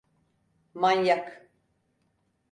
Manyak!